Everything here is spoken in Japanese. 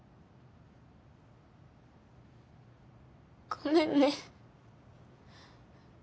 ごめんね。